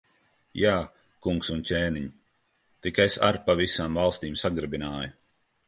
Jā, kungs un ķēniņ! Tik es ar pa visām valstīm sagrabināju.